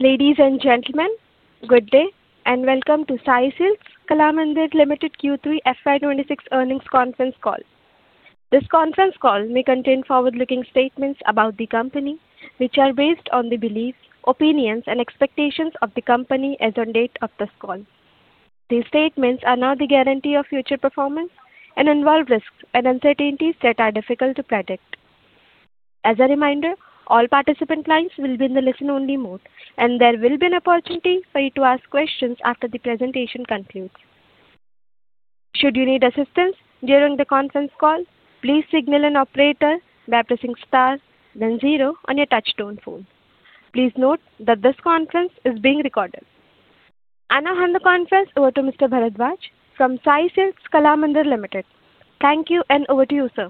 Ladies and gentlemen, good day and welcome to Sai Silks (Kalamandir) Limited Q3 FY 2026 earnings conference call. This conference call may contain forward-looking statements about the company, which are based on the beliefs, opinions, and expectations of the company as of the date of this call. These statements are not a guarantee of future performance and involve risks and uncertainties that are difficult to predict. As a reminder, all participant lines will be in the listen-only mode, and there will be an opportunity for you to ask questions after the presentation concludes. Should you need assistance during the conference call, please signal an operator by pressing star, then zero on your touch-tone phone. Please note that this conference is being recorded, and I hand the conference over to Mr. Bharadwaj from Sai Silks (Kalamandir) Limited. Thank you, and over to you, sir.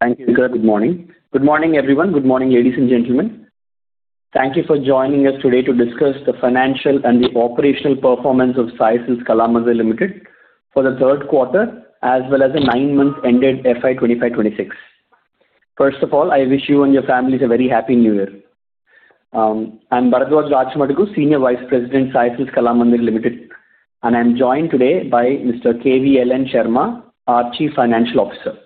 Thank you, sir. Good morning. Good morning, everyone. Good morning, ladies and gentlemen. Thank you for joining us today to discuss the financial and the operational performance of Sai Silks (Kalamandir) Limited for the third quarter, as well as the nine-month-ended FY 2025-2026. First of all, I wish you and your families a very happy New Year. I'm Bharadwaj Rachamadugu, Senior Vice President, Sai Silks (Kalamandir) Limited, and I'm joined today by Mr. K.V.L.N. Sarma, our Chief Financial Officer.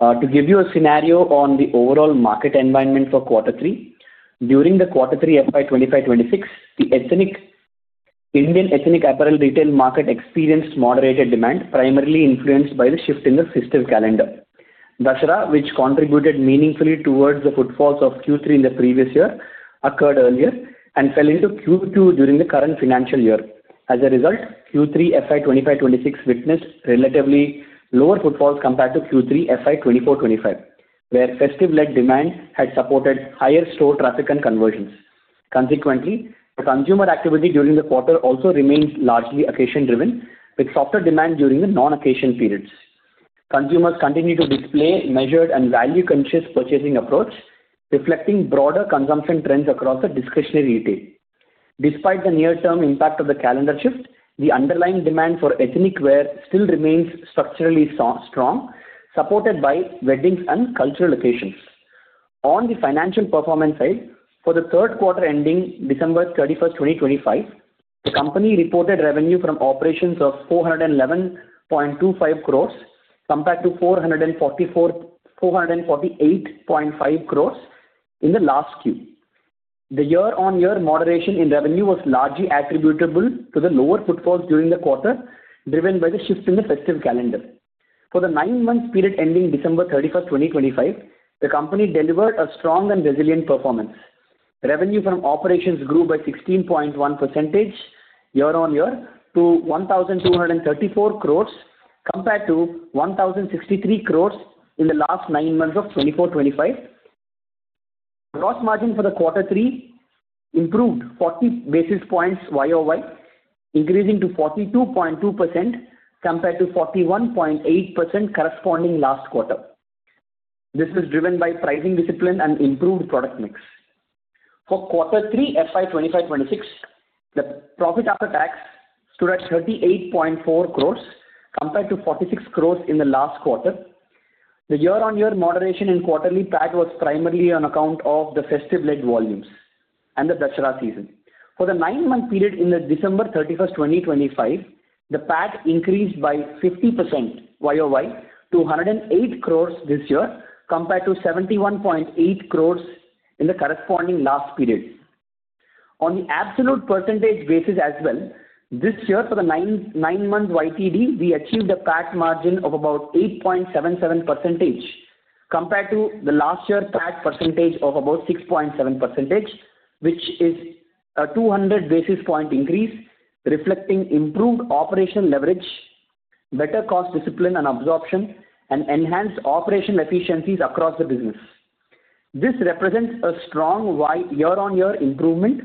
To give you a scenario on the overall market environment for Q3, during the Q3 FY 2025-2026, the Indian ethnic apparel retail market experienced moderated demand, primarily influenced by the shift in the festive calendar. Dussehra, which contributed meaningfully towards the footfalls of Q3 in the previous year, occurred earlier and fell into Q2 during the current financial year. As a result, Q3 FY 2025-2026 witnessed relatively lower footfalls compared to Q3 FY 2024-2025, where festive-led demand had supported higher store traffic and conversions. Consequently, consumer activity during the quarter also remained largely occasion-driven, with softer demand during the non-occasion periods. Consumers continued to display a measured and value-conscious purchasing approach, reflecting broader consumption trends across the discretionary retail. Despite the near-term impact of the calendar shift, the underlying demand for ethnic wear still remains structurally strong, supported by weddings and cultural occasions. On the financial performance side, for the third quarter ending December 31st, 2025, the company reported revenue from operations of 411.25 crores compared to 448.5 crores in the last Q. The year-on-year moderation in revenue was largely attributable to the lower footfalls during the quarter, driven by the shift in the festive calendar. For the nine-month period ending December 31st, 2025, the company delivered a strong and resilient performance. Revenue from operations grew by 16.1% year-on-year to 1,234 crores compared to 1,063 crores in the last nine months of 2024-2025. Gross margin for the Q3 improved 40 basis points YoY, increasing to 42.2% compared to 41.8% corresponding last quarter. This was driven by pricing discipline and improved product mix. For Q3 FY 2025-2026, the profit after tax stood at 38.4 crores compared to 46 crores in the last quarter. The year-on-year moderation in quarterly PAT was primarily on account of the festive-led volumes and the Dussehra season. For the nine-month period ending December 31st, 2025, the PAT increased by 50% YoY to 108 crores this year compared to 71.8 crores in the corresponding last period. On the absolute percentage basis as well, this year for the nine-month YTD, we achieved a PAT margin of about 8.77% compared to the last year's PAT percentage of about 6.7%, which is a 200 basis points increase, reflecting improved operational leverage, better cost discipline and absorption, and enhanced operational efficiencies across the business. This represents a strong year-on-year improvement,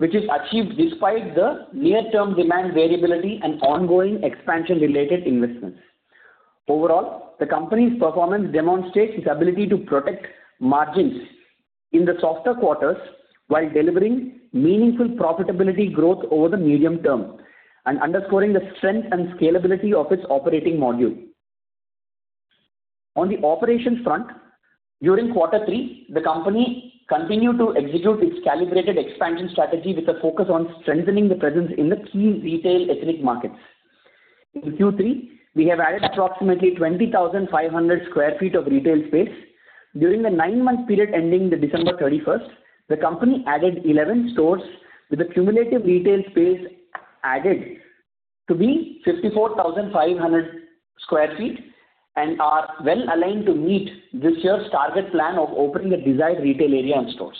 which is achieved despite the near-term demand variability and ongoing expansion-related investments. Overall, the company's performance demonstrates its ability to protect margins in the softer quarters while delivering meaningful profitability growth over the medium term and underscoring the strength and scalability of its operating model. On the operations front, during Q3, the company continued to execute its calibrated expansion strategy with a focus on strengthening the presence in the key retail ethnic markets. In Q3, we have added approximately 20,500 sq ft of retail space. During the nine-month period ending December 31st, the company added 11 stores, with the cumulative retail space added to be 54,500 sq ft and are well aligned to meet this year's target plan of opening the desired retail area and stores.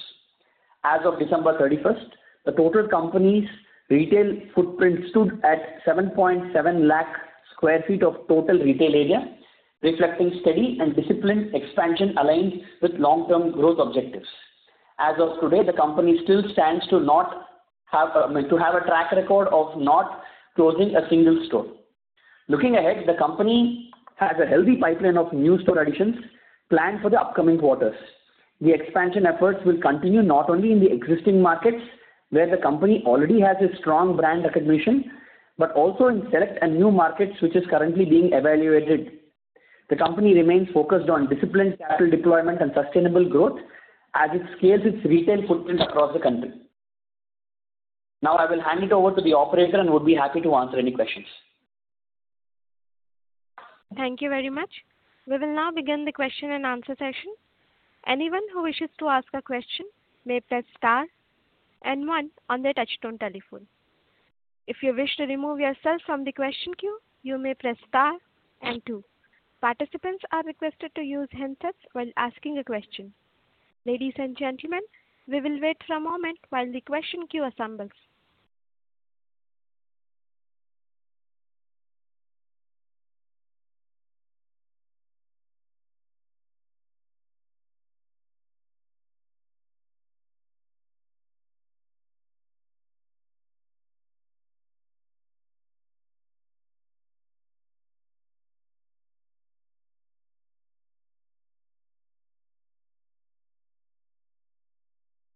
As of December 31st, the total company's retail footprint stood at 7.7 lakh sq ft of total retail area, reflecting steady and disciplined expansion aligned with long-term growth objectives. As of today, the company still stands to have a track record of not closing a single store. Looking ahead, the company has a healthy pipeline of new store additions planned for the upcoming quarters. The expansion efforts will continue not only in the existing markets, where the company already has a strong brand recognition, but also in select and new markets which are currently being evaluated. The company remains focused on disciplined capital deployment and sustainable growth as it scales its retail footprint across the country. Now, I will hand it over to the operator and would be happy to answer any questions. Thank you very much. We will now begin the question-and-answer session. Anyone who wishes to ask a question may press star and one on their touch-tone telephone. If you wish to remove yourself from the question queue, you may press star and two. Participants are requested to use handsets while asking a question. Ladies and gentlemen, we will wait for a moment while the question queue assembles.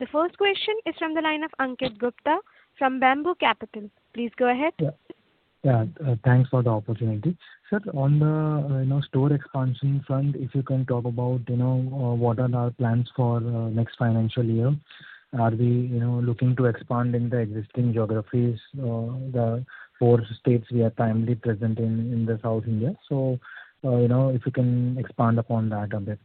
The first question is from the line of Ankit Gupta from Bamboo Capital. Please go ahead. Yeah. Thanks for the opportunity. Sir, on the store expansion front, if you can talk about what are our plans for the next financial year? Are we looking to expand in the existing geographies, the four states we are currently present in South India? So if you can expand upon that a bit.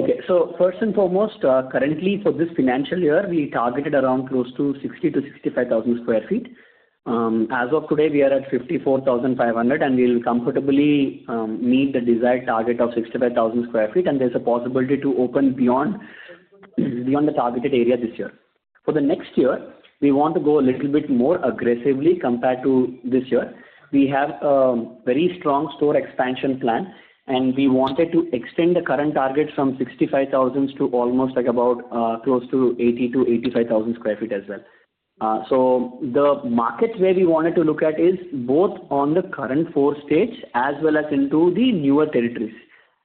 Okay. So first and foremost, currently for this financial year, we targeted around close to 60,000 sq ft-65,000 sq ft. As of today, we are at 54,500 sq ft, and we'll comfortably meet the desired target of 65,000 sq ft, and there's a possibility to open beyond the targeted area this year. For the next year, we want to go a little bit more aggressively compared to this year. We have a very strong store expansion plan, and we wanted to extend the current target from 65,000 sq ft to almost like about close to 80,000 sq ft-85,000 sq ft as well. So the markets where we wanted to look at is both on the current four states as well as into the newer territories.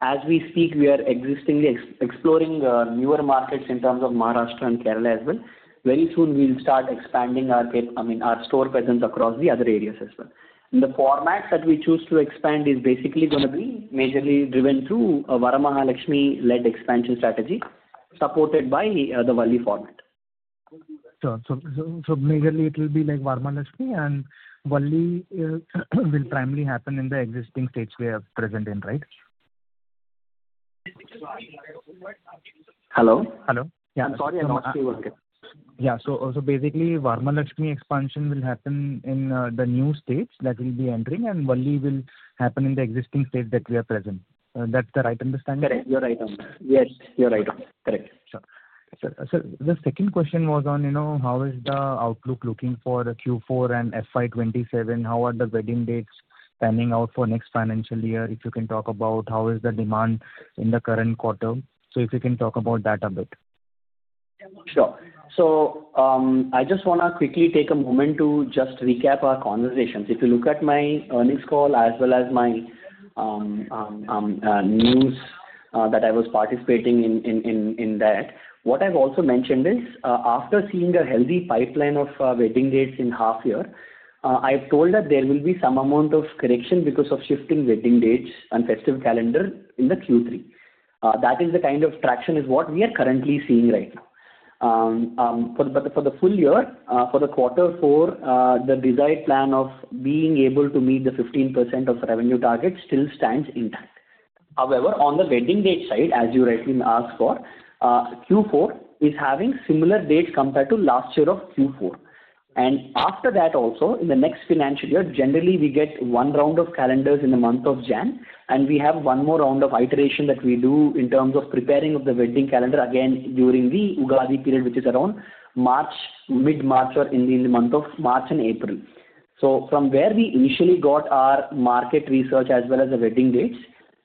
As we speak, we are already exploring newer markets in terms of Maharashtra and Kerala as well. Very soon, we'll start expanding our store presence across the other areas as well. The formats that we choose to expand is basically going to be majorly driven through a Varamahalakshmi-led expansion strategy supported by the Valli format. So majorly, it will be like Varamahalakshmi, and Valli will primarily happen in the existing states we are present in, right? Hello? Hello. Yeah. Sorry, I lost you a bit. Yeah. So basically, Varamahalakshmi expansion will happen in the new states that we'll be entering, and Valli will happen in the existing states that we are present. That's the right understanding? Correct. You're right on that. Yes, you're right on. Correct. Sure. Sir, the second question was on how is the outlook looking for Q4 and FY 2027? How are the wedding dates panning out for next financial year? If you can talk about how is the demand in the current quarter? So if you can talk about that a bit. Sure. So I just want to quickly take a moment to just recap our conversations. If you look at my earnings call as well as my news that I was participating in that, what I've also mentioned is after seeing a healthy pipeline of wedding dates in half year, I've told that there will be some amount of correction because of shifting wedding dates and festive calendar in the Q3. That is the kind of traction is what we are currently seeing right now. But for the full year, for the quarter four, the desired plan of being able to meet the 15% of revenue target still stands intact. However, on the wedding date side, as you rightly asked for, Q4 is having similar dates compared to last year of Q4. After that, also, in the next financial year, generally, we get one round of calendars in the month of January, and we have one more round of iteration that we do in terms of preparing of the wedding calendar again during the Ugadi period, which is around mid-March or in the month of March and April. From where we initially got our market research as well as the wedding dates,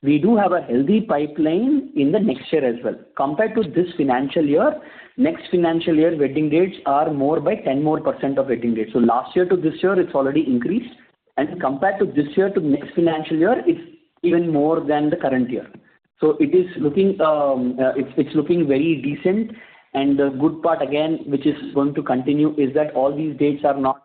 we do have a healthy pipeline in the next year as well. Compared to this financial year, next financial year wedding dates are more by 10% more percent of wedding dates. Last year to this year, it's already increased. Compared to this year to next financial year, it's even more than the current year. It is looking very decent. And the good part, again, which is going to continue, is that all these dates are not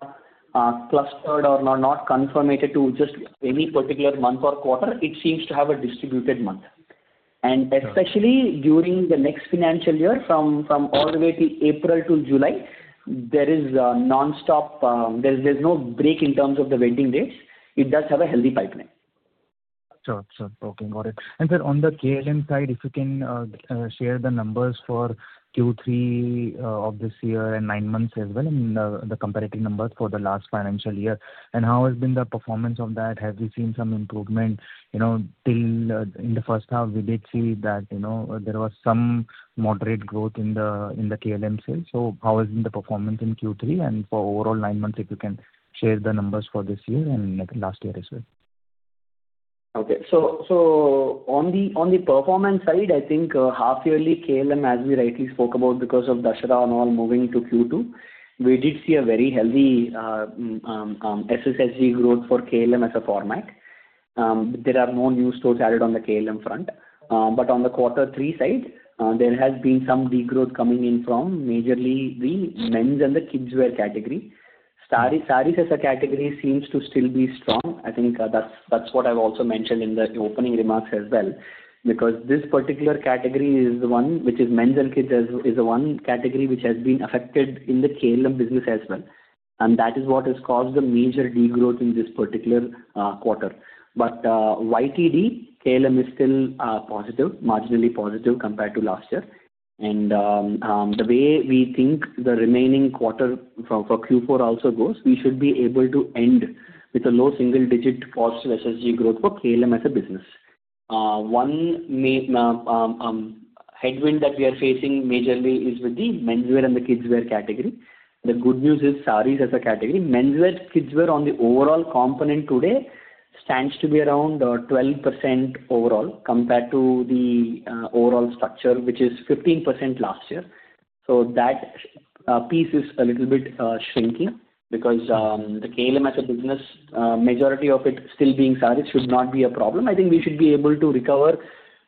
clustered or not confined to just any particular month or quarter. It seems to have a distributed month. And especially during the next financial year, from all the way to April to July, there is nonstop. There's no break in terms of the wedding dates. It does have a healthy pipeline. Sure. Sure. Okay. Got it. And sir, on the KLM side, if you can share the numbers for Q3 of this year and nine months as well, and the comparative numbers for the last financial year. And how has been the performance of that? Have you seen some improvement? In the first half, we did see that there was some moderate growth in the KLM sales. So how has been the performance in Q3? And for overall nine months, if you can share the numbers for this year and last year as well. Okay. So on the performance side, I think half-yearly KLM, as we rightly spoke about, because of Dussehra and all moving to Q2, we did see a very healthy SSG growth for KLM as a format. There are no new stores added on the KLM front. But on the quarter three side, there has been some degrowth coming in from majorly the men's and the kids' wear category. Sari as a category seems to still be strong. I think that's what I've also mentioned in the opening remarks as well, because this particular category is the one which is men's and kids' is the one category which has been affected in the KLM business as well. And that is what has caused the major degrowth in this particular quarter. But YTD, KLM is still positive, marginally positive compared to last year. And the way we think the remaining quarter for Q4 also goes, we should be able to end with a low single-digit positive SSG growth for KLM as a business. One headwind that we are facing majorly is with the men's wear and the kids' wear category. The good news is sari as a category. Men's wear, kids' wear on the overall component today stands to be around 12% overall compared to the overall structure, which is 15% last year. So that piece is a little bit shrinking because the KLM as a business, majority of it still being sari should not be a problem. I think we should be able to recover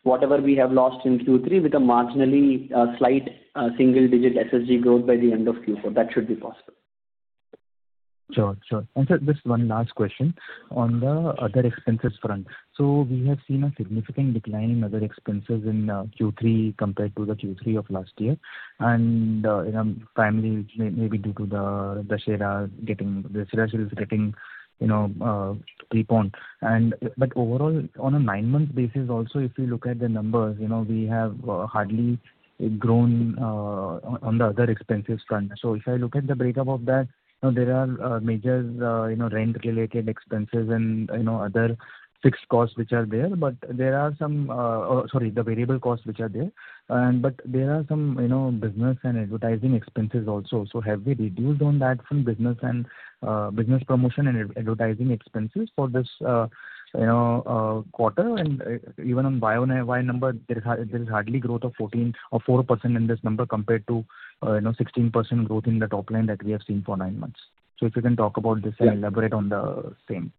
whatever we have lost in Q3 with a marginally slight single-digit SSG growth by the end of Q4. That should be possible. Sure. Sure. And sir, just one last question on the other expenses front. So we have seen a significant decline in other expenses in Q3 compared to the Q3 of last year. And finally, maybe due to the Dussehra getting the sarees getting a coupon. But overall, on a nine-month basis, also, if you look at the numbers, we have hardly grown on the other expenses front. So if I look at the breakup of that, there are major rent-related expenses and other fixed costs which are there. But there are some, sorry, the variable costs which are there. But there are some business and advertising expenses also. So have we reduced on that from business and business promotion and advertising expenses for this quarter? Even on YoY number, there is hardly growth of 14% or 4% in this number compared to 16% growth in the top line that we have seen for nine months. If you can talk about this and elaborate on the same.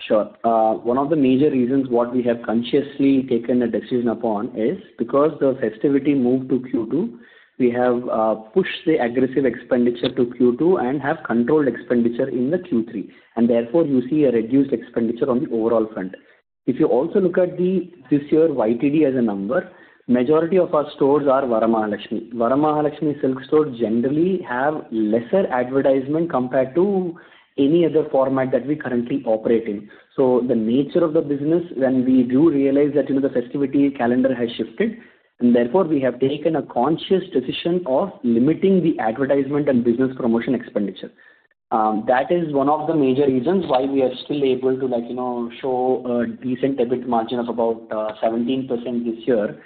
Sure. One of the major reasons what we have consciously taken a decision upon is because the festivity moved to Q2, we have pushed the aggressive expenditure to Q2 and have controlled expenditure in the Q3, and therefore, you see a reduced expenditure on the overall front. If you also look at this year YTD as a number, majority of our stores are Varamahalakshmi. Varamahalakshmi silk stores generally have lesser advertisement compared to any other format that we currently operate in, so the nature of the business, when we do realize that the festivity calendar has shifted, and therefore we have taken a conscious decision of limiting the advertisement and business promotion expenditure. That is one of the major reasons why we are still able to show a decent EBITDA margin of about 17% this year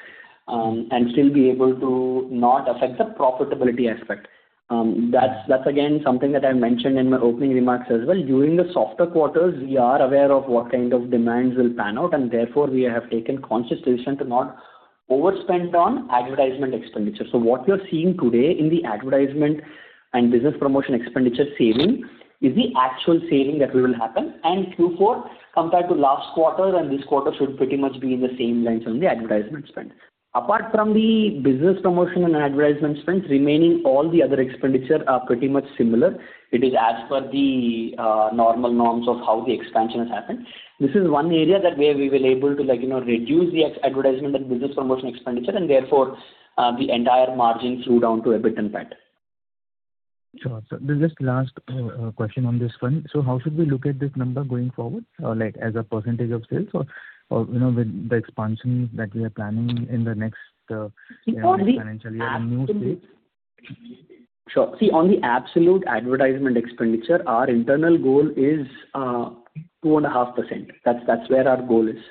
and still be able to not affect the profitability aspect. That's, again, something that I mentioned in my opening remarks as well. During the softer quarters, we are aware of what kind of demands will pan out, and therefore we have taken conscious decision to not overspend on advertisement expenditure. So what we are seeing today in the advertisement and business promotion expenditure saving is the actual saving that will happen. And Q4 compared to last quarter and this quarter should pretty much be in the same lines on the advertisement spend. Apart from the business promotion and advertisement spend, remaining all the other expenditure are pretty much similar. It is as per the normal norms of how the expansion has happened. This is one area where we were able to reduce the advertisement and business promotion expenditure, and therefore the entire margin flowed down to EBIT in fact. Sure. Sir, just last question on this one. So how should we look at this number going forward? Like as a percentage of sales or with the expansion that we are planning in the next financial year and new states? Sure. See, on the absolute advertisement expenditure, our internal goal is 2.5%. That's where our goal is.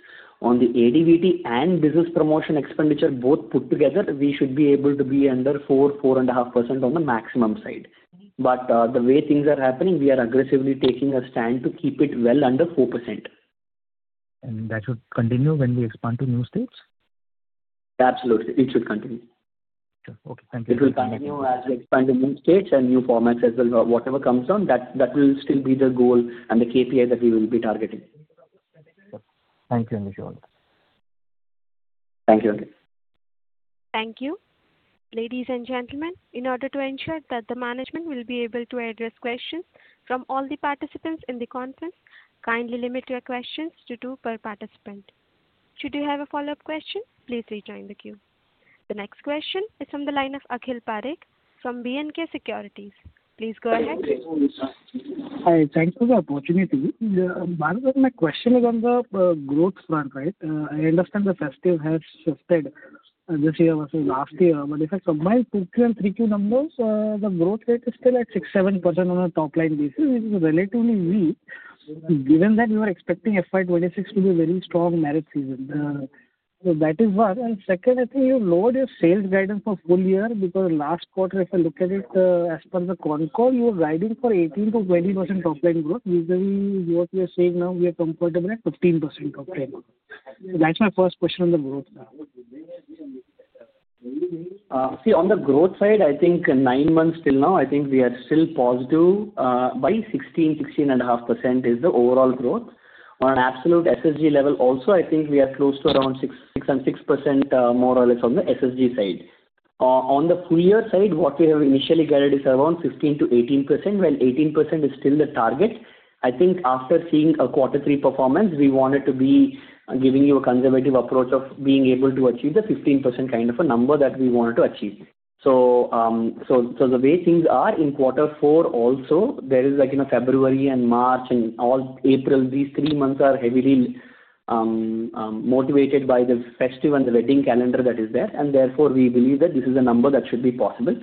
On the ADVT and business promotion expenditure both put together, we should be able to be under 4%-4.5% on the maximum side. But the way things are happening, we are aggressively taking a stand to keep it well under 4%. That should continue when we expand to new states? Absolutely. It should continue. Sure. Okay. Thank you. It will continue as we expand to new states and new formats as well. Whatever comes down, that will still be the goal and the KPI that we will be targeting. Thank you, [Amish]. Thank you. Thank you. Ladies and gentlemen, in order to ensure that the management will be able to address questions from all the participants in the conference, kindly limit your questions to two per participant. Should you have a follow-up question, please rejoin the queue. The next question is from the line of Akhil Parekh from B&K Securities. Please go ahead. Hi. Thank you for the opportunity. My question is on the growth front, right? I understand the festive has shifted this year versus last year. But if I combine 2Q and 3Q numbers, the growth rate is still at 6%-7% on a top line basis, which is relatively weak, given that we were expecting FY 2026 to be a very strong marriage season. So that is one. And second, I think you lowered your sales guidance for full year because last quarter, if I look at it as per the concall, you were guiding for 18%-20% top line growth. Ultimately, what we are seeing now, we are comfortable at 15% top line growth. That's my first question on the growth. See, on the growth side, I think nine months till now, I think we are still positive by 16%-16.5%, which is the overall growth. On absolute SSG level also, I think we are close to around 6%-6% more or less on the SSG side. On the full year side, what we have initially guided is around 15%-18%, while 18% is still the target. I think after seeing a quarter three performance, we wanted to be giving you a conservative approach of being able to achieve the 15% kind of a number that we wanted to achieve. The way things are in quarter four also, there is February and March and April. These three months are heavily motivated by the festive and the wedding calendar that is there. Therefore, we believe that this is a number that should be possible.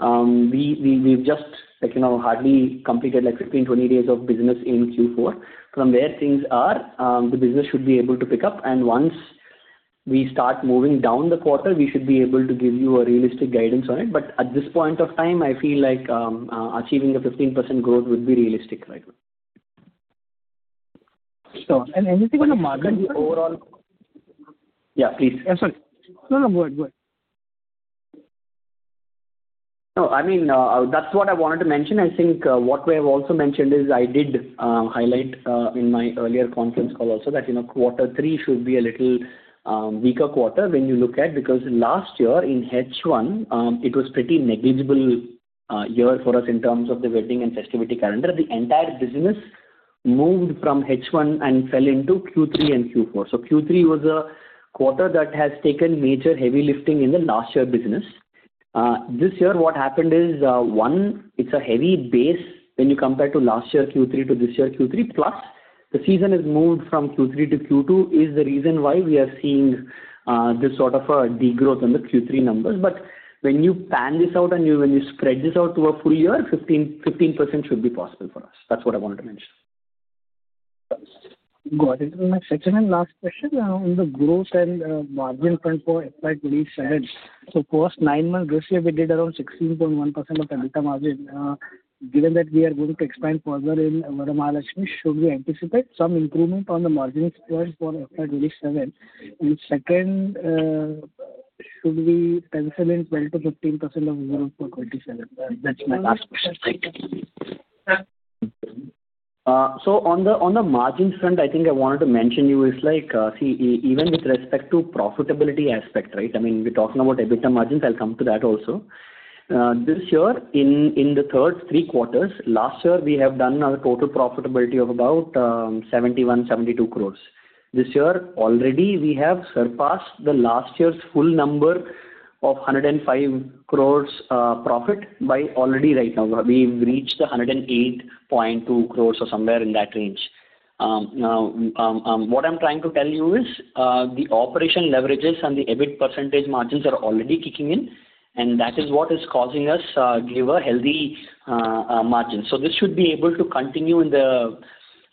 We've just hardly completed 15, 20 days of business in Q4. From where things are, the business should be able to pick up. And once we start moving down the quarter, we should be able to give you a realistic guidance on it. But at this point of time, I feel like achieving the 15% growth would be realistic right now. Sure, and anything on the market overall? Yeah, please. Yeah, sorry. No, no, go ahead. Go ahead. No, I mean, that's what I wanted to mention. I think what we have also mentioned is I did highlight in my earlier conference call also that quarter three should be a little weaker quarter when you look at because last year in H1, it was pretty negligible year for us in terms of the wedding and festivity calendar. The entire business moved from H1 and fell into Q3 and Q4. So Q3 was a quarter that has taken major heavy lifting in the last year business. This year, what happened is, one, it's a heavy base when you compare to last year Q3 to this year Q3, plus the season has moved from Q3 to Q2 is the reason why we are seeing this sort of a degrowth on the Q3 numbers. But when you pan this out and when you spread this out to a full year, 15% should be possible for us. That's what I wanted to mention. Got it. And my second and last question on the growth and margin front for FY 2027. So first, nine months this year, we did around 16.1% of the delta margin. Given that we are going to expand further in Varamahalakshmi, should we anticipate some improvement on the margin squares for FY 2027? And second, should we pencil in 12%-15% of growth for 2027? That's my last question. So on the margin front, I think I wanted to mention to you is like, see, even with respect to profitability aspect, right? I mean, we're talking about EBITDA margins. I'll come to that also. Last year, in the first three quarters, we have done a total profitability of about 71 crores-72 crores. This year, already we have surpassed the last year's full number of 105 crores profit already right now. We've reached the 108.2 crores or somewhere in that range. Now, what I'm trying to tell you is the operational leverages and the EBIT percentage margins are already kicking in, and that is what is causing us to give a healthy margin. So this should be able to continue in the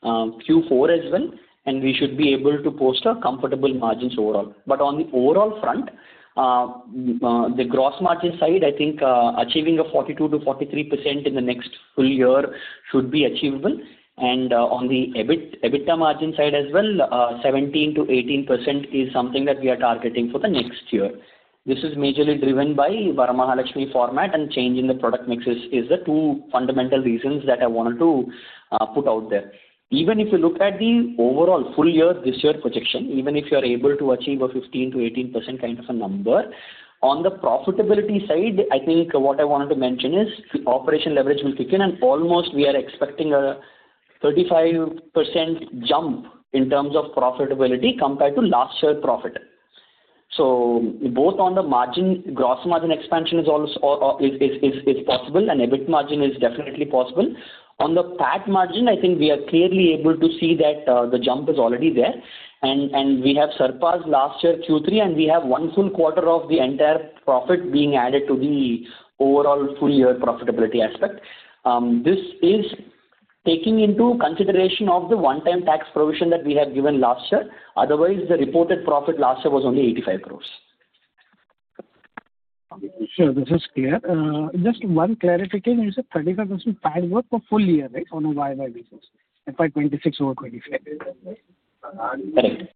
Q4 as well, and we should be able to post a comfortable margin overall. But on the overall front, the gross margin side, I think achieving a 42%-43% in the next full year should be achievable. And on the EBITDA margin side as well, 17%-18% is something that we are targeting for the next year. This is majorly driven by Varamahalakshmi format and changing the product mixes is the two fundamental reasons that I wanted to put out there. Even if you look at the overall full year, this year projection, even if you're able to achieve a 15%-18% kind of a number, on the profitability side, I think what I wanted to mention is operational leverage will kick in, and almost we are expecting a 35% jump in terms of profitability compared to last year's profit. So both on the margin, gross margin expansion is possible, and EBIT margin is definitely possible. On the PAT margin, I think we are clearly able to see that the jump is already there, and we have surpassed last year Q3, and we have one full quarter of the entire profit being added to the overall full year profitability aspect. This is taking into consideration of the one-time tax provision that we have given last year. Otherwise, the reported profit last year was only 85 crores. Sure. This is clear. Just one clarification, you said 35% PAT growth for full year, right, on a YoY basis? FY 2026 over FY 2025? Correct.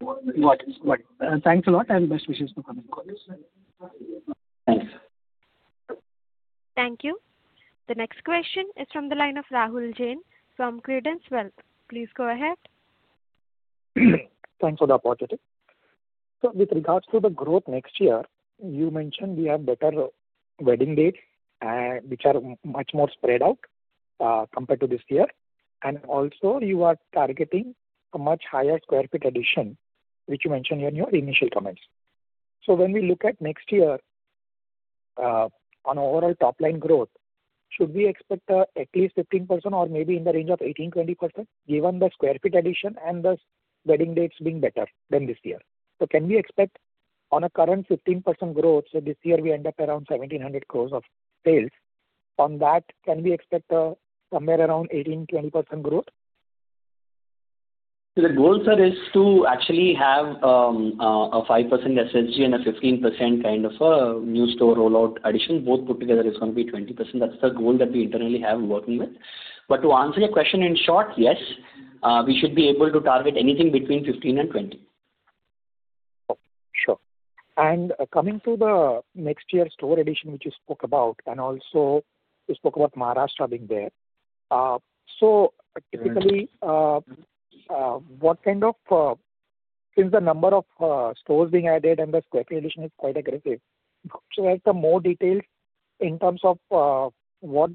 Got it. Got it. Thanks a lot and best wishes for coming quarters. Thanks. Thank you. The next question is from the line of Rahul Jain from Credence Wealth. Please go ahead. Thanks for the opportunity. So with regards to the growth next year, you mentioned we have better wedding dates, which are much more spread out compared to this year. And also, you are targeting a much higher square feet addition, which you mentioned in your initial comments. So when we look at next year, on overall top line growth, should we expect at least 15% or maybe in the range of 18%-20% given the square feet addition and the wedding dates being better than this year? So can we expect on a current 15% growth, so this year we end up around 1,700 crores of sales, on that, can we expect somewhere around 18%-20% growth? The goal, sir, is to actually have a 5% SSG and a 15% kind of a new store rollout addition. Both put together is going to be 20%. That's the goal that we internally have working with. But to answer your question in short, yes, we should be able to target anything between 15% and 20%. Sure. And coming to the next year's store addition, which you spoke about, and also you spoke about Maharashtra being there. So typically, what kind of since the number of stores being added and the square feet addition is quite aggressive, so is there more details in terms of what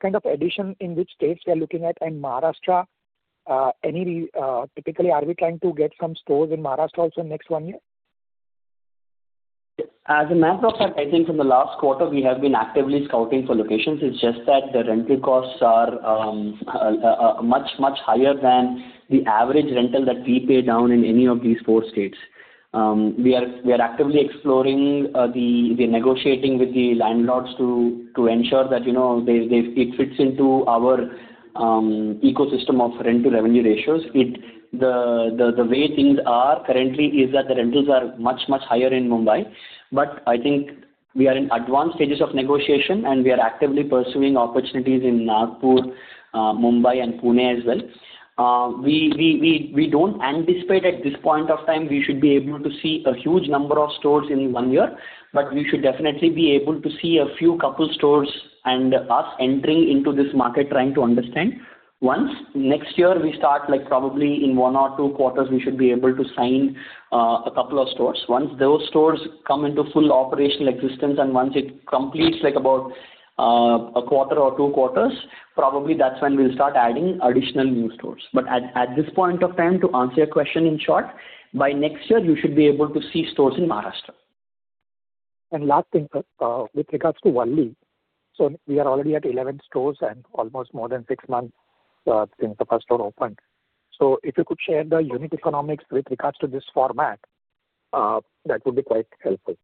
kind of addition in which states we are looking at and Maharashtra? Typically, are we trying to get some stores in Maharashtra also next one year? As a matter of fact, I think from the last quarter, we have been actively scouting for locations. It's just that the rental costs are much, much higher than the average rental that we pay down in any of these four states. We are actively exploring the negotiating with the landlords to ensure that it fits into our ecosystem of rent-to-revenue ratios. The way things are currently is that the rentals are much, much higher in Mumbai, but I think we are in advanced stages of negotiation, and we are actively pursuing opportunities in Nagpur, Mumbai, and Pune as well. We don't anticipate at this point of time, we should be able to see a huge number of stores in one year, but we should definitely be able to see a few couple of stores and us entering into this market trying to understand. Once next year we start, probably in one or two quarters, we should be able to sign a couple of stores. Once those stores come into full operational existence and once it completes about a quarter or two quarters, probably that's when we'll start adding additional new stores. But at this point of time, to answer your question in short, by next year, you should be able to see stores in Maharashtra. And last thing, sir, with regards to Valli, so we are already at 11 stores and almost more than six months since the first store opened. So if you could share the unit economics with regards to this format, that would be quite helpful.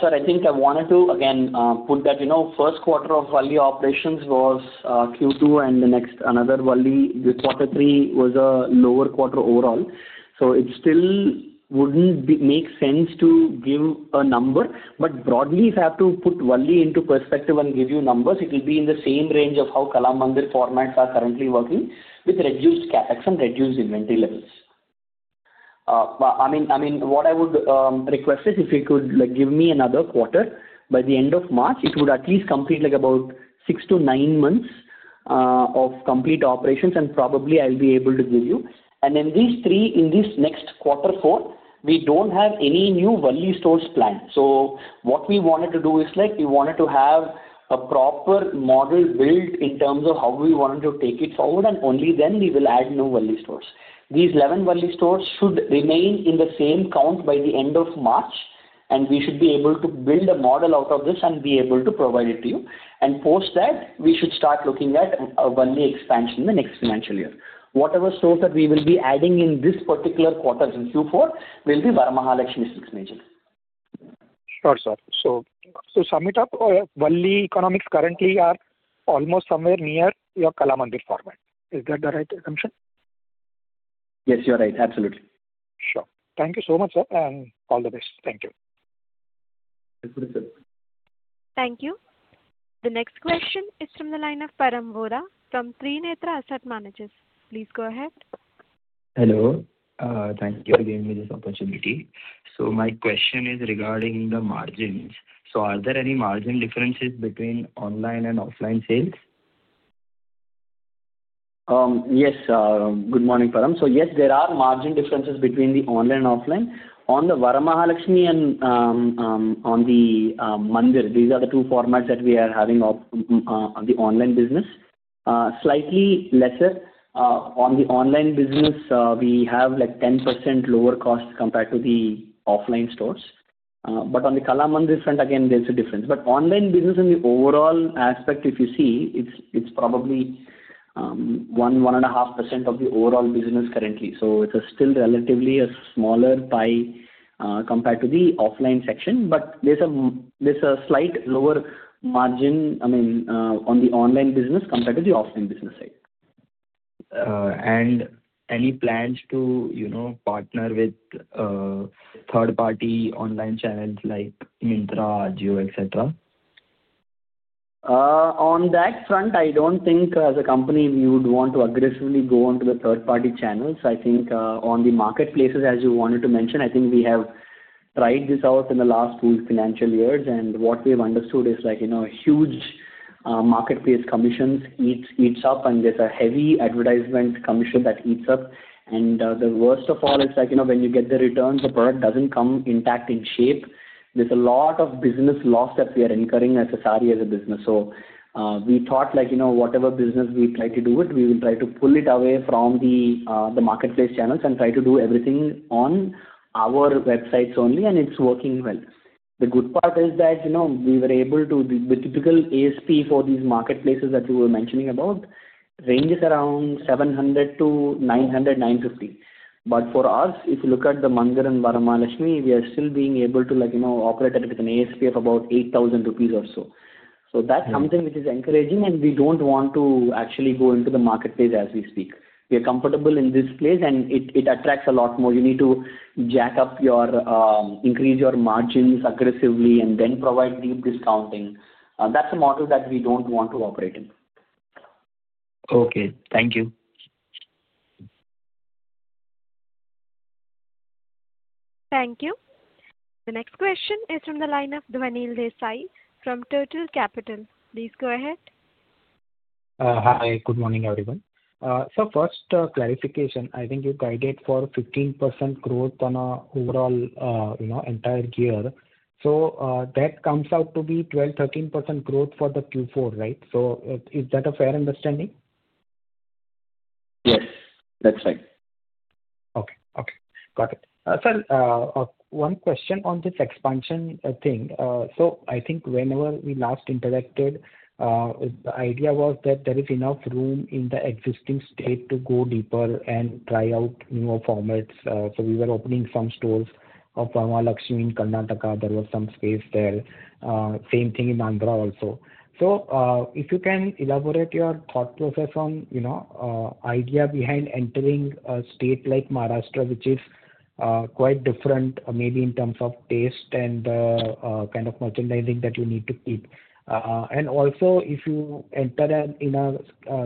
Sir, I think I wanted to again put that first quarter of Valli operations was Q2 and the next another Valli. The quarter three was a lower quarter overall. So it still wouldn't make sense to give a number. But broadly, if I have to put Valli into perspective and give you numbers, it will be in the same range of how Kalamandir formats are currently working with reduced capex and reduced inventory levels. I mean, what I would request is if you could give me another quarter. By the end of March, it would at least complete about six to nine months of complete operations, and probably I'll be able to give you. And in this next quarter four, we don't have any new Valli stores planned. What we wanted to do is we wanted to have a proper model built in terms of how we wanted to take it forward, and only then we will add new Valli stores. These 11 Valli stores should remain in the same count by the end of March, and we should be able to build a model out of this and be able to provide it to you. Post that, we should start looking at a Valli expansion in the next financial year. Whatever stores that we will be adding in this particular quarter in Q4 will be Varamahalakshmi Silks majorly. Sure, sir. So, sum it up, Valli economics currently are almost somewhere near your Kalamandir format. Is that the right assumption? Yes, you're right. Absolutely. Sure. Thank you so much, sir, and all the best. Thank you. Thank you. The next question is from the line of Param Vora from Trinetra Asset Managers. Please go ahead. Hello. Thank you for giving me this opportunity. So my question is regarding the margins. So are there any margin differences between online and offline sales? Yes. Good morning, Param. So yes, there are margin differences between the online and offline. On the Varamahalakshmi and on the Mandir, these are the two formats that we are having on the online business. Slightly lesser. On the online business, we have 10% lower cost compared to the offline stores. But on the Kalamandir front, again, there's a difference. But online business in the overall aspect, if you see, it's probably 1%-1.5% of the overall business currently. So it's still relatively smaller compared to the offline section. But there's a slight lower margin, I mean, on the online business compared to the offline business side. Any plans to partner with third-party online channels like Myntra, Jio, etc.? On that front, I don't think as a company, we would want to aggressively go onto the third-party channels. I think on the marketplaces, as you wanted to mention, I think we have tried this out in the last two financial years. And what we have understood is huge marketplace commissions eats up, and there's a heavy advertisement commission that eats up. And the worst of all is when you get the return, the product doesn't come intact in shape. There's a lot of business loss that we are incurring as a saree business. So we thought whatever business we try to do it, we will try to pull it away from the marketplace channels and try to do everything on our websites only, and it's working well. The good part is that we were able to see the typical ASP for these marketplaces that you were mentioning about ranges around 700 to 900, 950. But for us, if you look at the Mandir and Varamahalakshmi, we are still being able to operate at an ASP of about 8,000 rupees or so. That's something which is encouraging, and we don't want to actually go into the marketplace as we speak. We are comfortable in this place, and it attracts a lot more. You need to jack up or increase your margins aggressively and then provide deep discounting. That's a model that we don't want to operate in. Okay. Thank you. Thank you. The next question is from the line of Dhwanil Desai from Turtle Capital. Please go ahead. Hi. Good morning, everyone. So first clarification, I think you guided for 15% growth on an entire year. So that comes out to be 12%-13% growth for the Q4, right? So is that a fair understanding? Yes. That's right. Okay. Okay. Got it. Sir, one question on this expansion thing. I think whenever we last interacted, the idea was that there is enough room in the existing state to go deeper and try out newer formats. We were opening some stores of Varamahalakshmi in Karnataka. There was some space there. Same thing in Andhra also. If you can elaborate your thought process on the idea behind entering a state like Maharashtra, which is quite different maybe in terms of taste and the kind of merchandising that you need to keep. Also, if you enter in a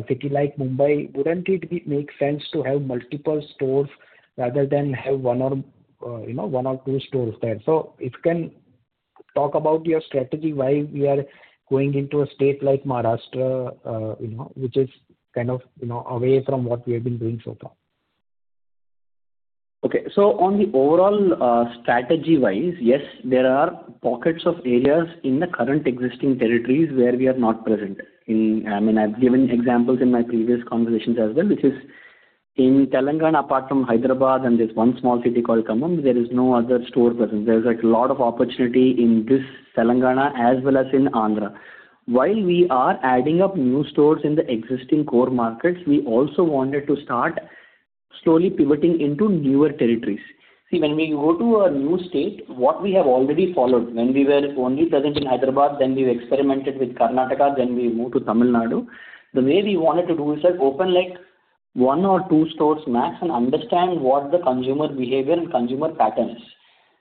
city like Mumbai, wouldn't it make sense to have multiple stores rather than have one or two stores there? If you can talk about your strategy, why we are going into a state like Maharashtra, which is kind of away from what we have been doing so far. Okay. So on the overall strategy wise, yes, there are pockets of areas in the current existing territories where we are not present. I mean, I've given examples in my previous conversations as well, which is in Telangana, apart from Hyderabad, and there's one small city called Khammam, there is no other store present. There's a lot of opportunity in this Telangana as well as in Andhra. While we are adding up new stores in the existing core markets, we also wanted to start slowly pivoting into newer territories. See, when we go to a new state, what we have already followed, when we were only present in Hyderabad, then we experimented with Karnataka, then we moved to Tamil Nadu. The way we wanted to do is open one or two stores max and understand what the consumer behavior and consumer pattern is.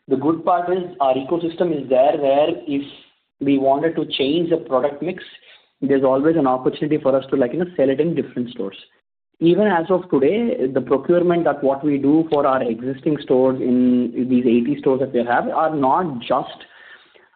The good part is our ecosystem is there where if we wanted to change the product mix, there's always an opportunity for us to sell it in different stores. Even as of today, the procurement that what we do for our existing stores in these 80 stores that we have are not just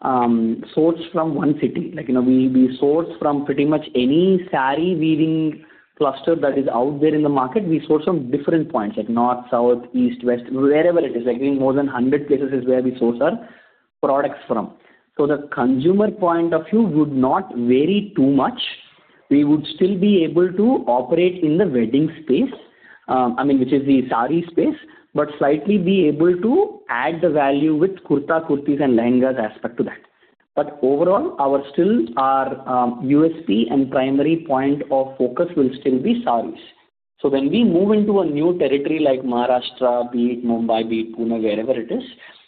sourced from one city. We source from pretty much any saree weaving cluster that is out there in the market. We source from different points, like north, south, east, west, wherever it is. More than 100 places is where we source our products from. So the consumer point of view would not vary too much. We would still be able to operate in the wedding space, I mean, which is the saree space, but slightly be able to add the value with kurta, kurtis, and lehengas aspect to that. But overall, our USP and primary point of focus will still be Sarees. So when we move into a new territory like Maharashtra, be it Mumbai, be it Pune, wherever it is,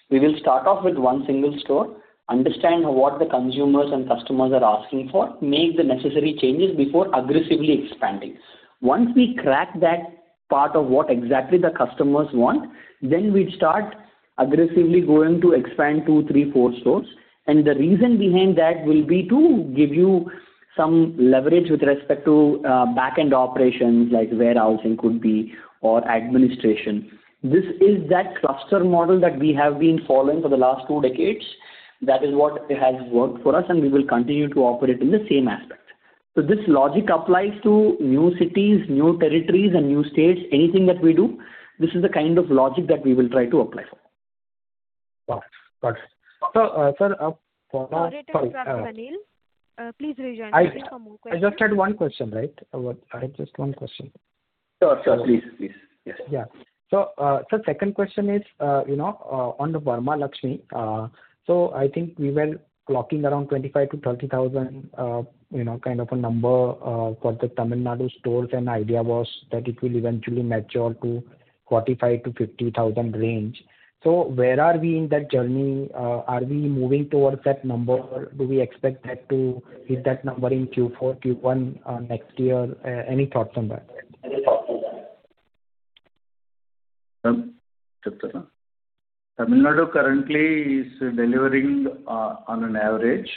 we will start off with one single store, understand what the consumers and customers are asking for, make the necessary changes before aggressively expanding. Once we crack that part of what exactly the customers want, then we'd start aggressively going to expand two, three, four stores. And the reason behind that will be to give you some leverage with respect to back-end operations like warehousing could be or administration. This is that cluster model that we have been following for the last two decades. That is what has worked for us, and we will continue to operate in the same aspect. So this logic applies to new cities, new territories, and new states. Anything that we do, this is the kind of logic that we will try to apply for. Got it. Got it. So, sir, for now. Mr. Dhwanil. Please rejoin. I just had one question, right? I had just one question. Sure, sure. Please, please. Yes. Yeah. So, sir, second question is on the Varamahalakshmi. So I think we were clocking around 25,000-30,000 kind of a number for the Tamil Nadu stores, and the idea was that it will eventually mature to 45,000-50,000 range. So where are we in that journey? Are we moving towards that number? Do we expect that to hit that number in Q4, Q1 next year? Any thoughts on that? Any thoughts on that? Tamil Nadu currently is delivering on an average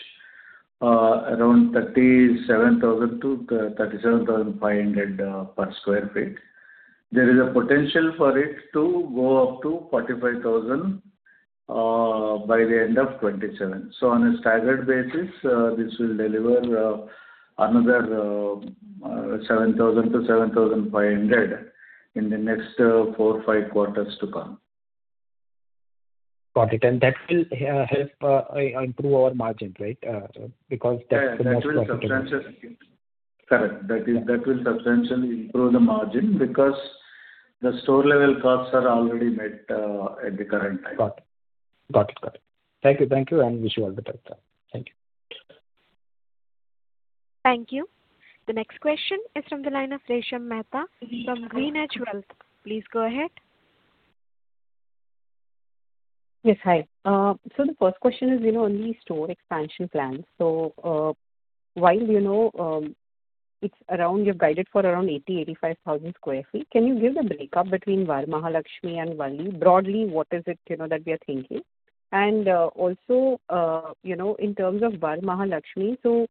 around 37,000-37,500 per sq ft. There is a potential for it to go up to 45,000 by the end of 2027. So on a staggered basis, this will deliver another 7,000-7,500 in the next four, five quarters to come. Got it. And that will help improve our margins, right? Because that's the most. That will substantially improve the margin because the store-level costs are already met at the current time. Got it. Got it. Got it. Thank you. Thank you. And wish you all the best. Thank you. Thank you. The next question is from the line of Resha Mehta from GreenEdge Wealth. Please go ahead. Yes. Hi. So the first question is on the store expansion plans. So while it's around you've guided for around 80,000 sq ft-85,000 sq ft, can you give the breakup between Varamahalakshmi and Valli? Broadly, what is it that we are thinking? And also in terms of Varamahalakshmi, so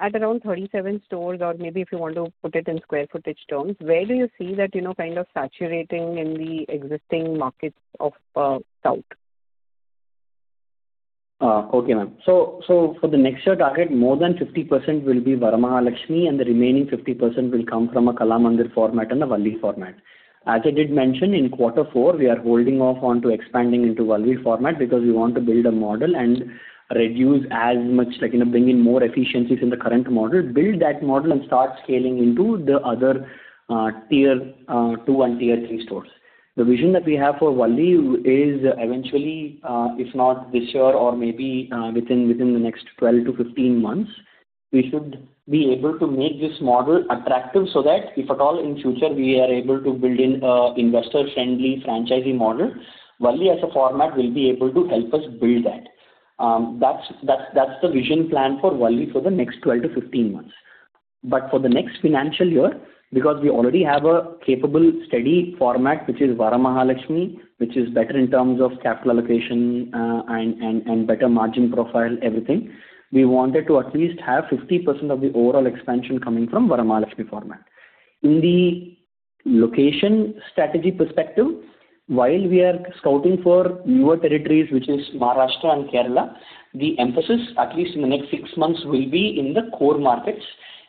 at around 37 stores or maybe if you want to put it in square footage terms, where do you see that kind of saturating in the existing markets of South? Okay, ma'am. So for the next year target, more than 50% will be Varamahalakshmi, and the remaining 50% will come from a Kalamandir format and a Valli format. As I did mention, in quarter four, we are holding off onto expanding into Valli format because we want to build a model and reduce as much like bring in more efficiencies in the current model, build that model, and start scaling into the other tier two and tier three stores. The vision that we have for Valli is eventually, if not this year or maybe within the next 12-15 months, we should be able to make this model attractive so that if at all in future, we are able to build in an investor-friendly franchisee model, Valli as a format will be able to help us build that. That's the vision plan for Valli for the next 1215 months. But for the next financial year, because we already have a capable steady format, which is Varamahalakshmi, which is better in terms of capital allocation and better margin profile, everything, we wanted to at least have 50% of the overall expansion coming from Varamahalakshmi format. In the location strategy perspective, while we are scouting for newer territories, which is Maharashtra and Kerala, the emphasis, at least in the next six months, will be in the core markets.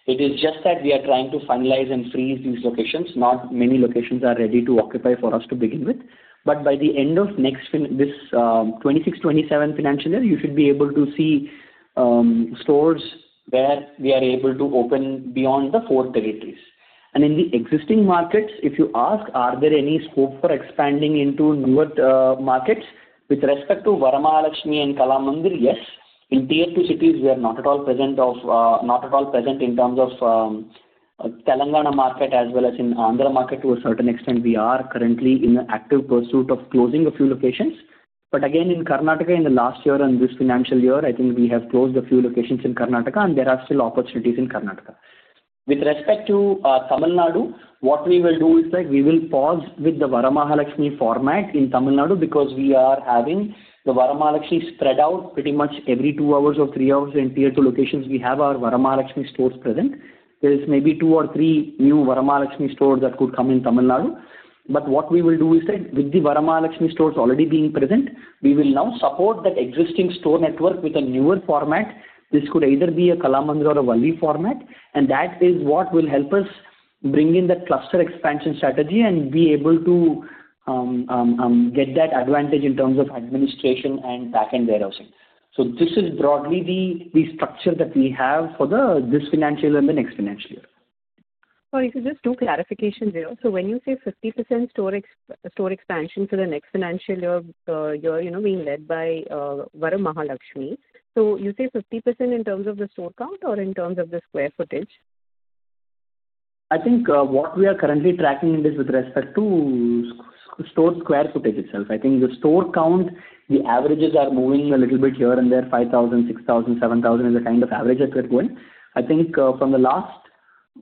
It is just that we are trying to finalize and freeze these locations. Not many locations are ready to occupy for us to begin with. But by the end of this FY 2026, FY 2027 financial year, you should be able to see stores where we are able to open beyond the four territories. In the existing markets, if you ask, are there any scope for expanding into newer markets? With respect to Varamahalakshmi and Kalamandir, yes. In tier two cities, we are not at all present in terms of Telangana market as well as in Andhra market to a certain extent. We are currently in the active pursuit of closing a few locations. But again, in Karnataka, in the last year and this financial year, I think we have closed a few locations in Karnataka, and there are still opportunities in Karnataka. With respect to Tamil Nadu, what we will do is we will pause with the Varamahalakshmi format in Tamil Nadu because we are having the Varamahalakshmi spread out pretty much every two hours or three hours in tier two locations. We have our Varamahalakshmi stores present. There's maybe two or three new Varamahalakshmi stores that could come in Tamil Nadu. But what we will do is that with the Varamahalakshmi stores already being present, we will now support that existing store network with a newer format. This could either be a Kalamandir or a Valli format. And that is what will help us bring in that cluster expansion strategy and be able to get that advantage in terms of administration and back-end warehousing. So this is broadly the structure that we have for this financial year and the next financial year. Sorry, so just two clarifications here. So when you say 50% store expansion for the next financial year, you're being led by Varamahalakshmi. So you say 50% in terms of the store count or in terms of the square footage? I think what we are currently tracking is with respect to store square feet itself. I think the store count, the averages are moving a little bit here and there, 5,000 sq ft, 6,000 sq ft, 7,000 sq ft is the kind of average that we're going. I think from the last,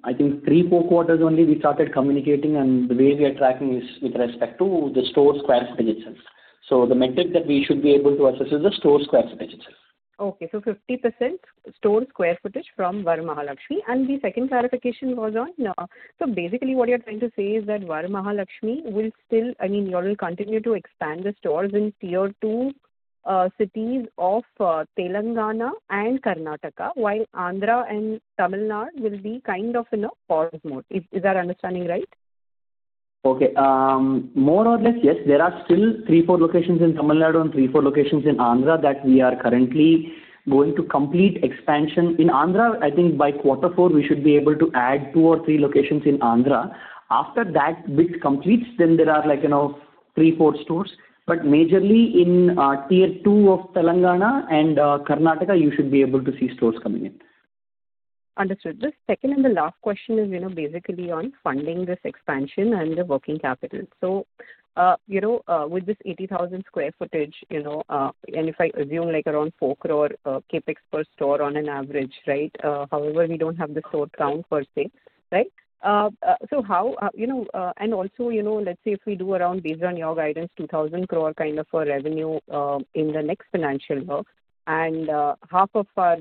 I think, three, four quarters only, we started communicating, and the way we are tracking is with respect to the store sq ft itself. So the metric that we should be able to assess is the store square feet itself. Okay. So 50% store square footage from Varamahalakshmi. And the second clarification was on, so basically what you're trying to say is that Varamahalakshmi will still, I mean, you all will continue to expand the stores in tier two cities of Telangana and Karnataka, while Andhra and Tamil Nadu will be kind of in a pause mode. Is that understanding right? Okay. More or less, yes. There are still three, four locations in Tamil Nadu and three, four locations in Andhra that we are currently going to complete expansion. In Andhra, I think by quarter four, we should be able to add two or three locations in Andhra. After that bit completes, then there are three, four stores. But majorly in tier two of Telangana and Karnataka, you should be able to see stores coming in. Understood. The second and the last question is basically on funding this expansion and the working capital. So with this 80,000 sq ft, and if I assume around 4 crore CapEx per store on an average, right? However, we don't have the store count per se, right? So how and also, let's say if we do around, based on your guidance, 2,000 crore kind of a revenue in the next financial year, and half of our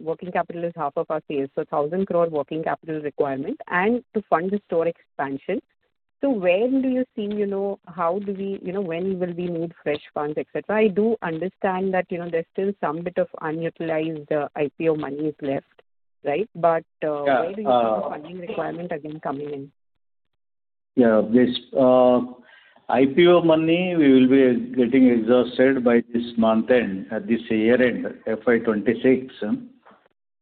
working capital is half of our sales, so 1,000 crore working capital requirement, and to fund the store expansion, so where do you see how do we when will we need fresh funds, etc.? I do understand that there's still some bit of unutilized IPO money is left, right? But where do you see the funding requirement again coming in? Yeah. This IPO money, we will be getting exhausted by this month end, at this year end, FY 2026.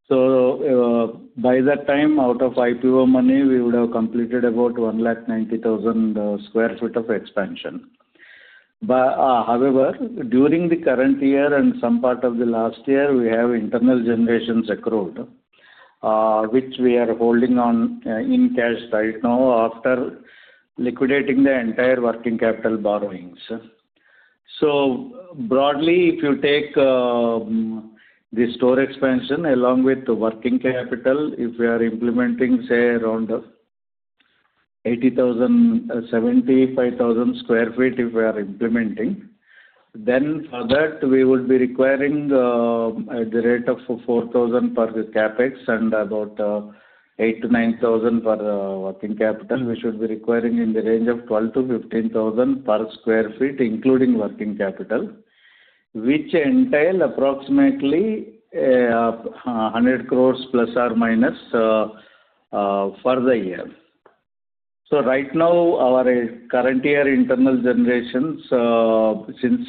So by that time, out of IPO money, we would have completed about 190,000 sq ft of expansion. However, during the current year and some part of the last year, we have internal accruals accrued, which we are holding in cash right now after liquidating the entire working capital borrowings. So broadly, if you take the store expansion along with the working capital, if we are implementing, say, around 75,000 sq ft-80,000 sq ft, then for that, we would be requiring at the rate of 4,000 per sq ft and about 8,000-9,000 per working capital. We should be requiring in the range of 12,000-15,000 per sq ft, including working capital, which entails approximately INR 100± crores for the year. Right now, our current year internal accruals, since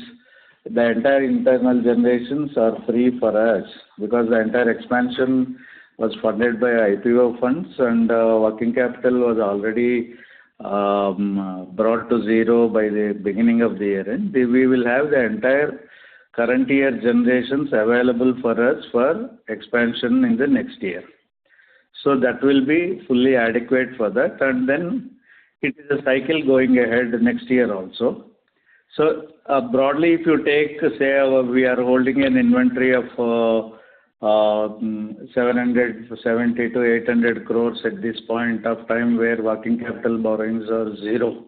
the entire internal accruals are free for us because the entire expansion was funded by IPO funds and working capital was already brought to zero by the beginning of the year, we will have the entire current year accruals available for us for expansion in the next year. So that will be fully adequate for that. And then it is a cycle going ahead next year also. So broadly, if you take, say, we are holding an inventory of 770 crores-800 crores at this point of time where working capital borrowings are zero.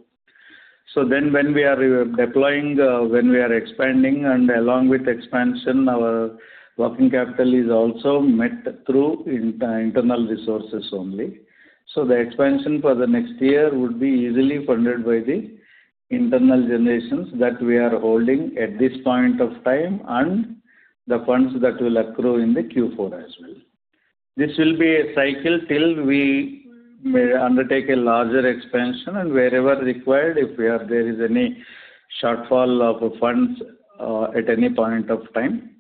So then when we are deploying, when we are expanding, and along with expansion, our working capital is also met through internal resources only. So the expansion for the next year would be easily funded by the internal generations that we are holding at this point of time and the funds that will accrue in the Q4 as well. This will be a cycle till we undertake a larger expansion. And wherever required, if there is any shortfall of funds at any point of time,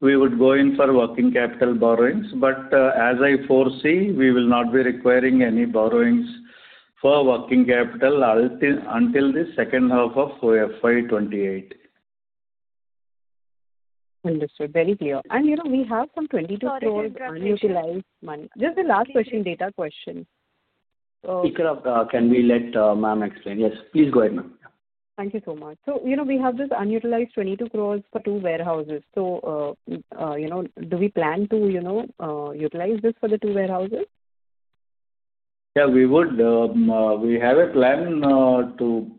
we would go in for working capital borrowings. But as I foresee, we will not be requiring any borrowings for working capital until the second half of FY 2028. Understood. Very clear. And we have some 22 crores unutilized money. Just the last question, data question. Can we let ma'am explain? Yes, please go ahead, ma'am. Thank you so much. So we have this unutilized 22 crores for two warehouses. So do we plan to utilize this for the two warehouses? Yeah, we would. We have a plan to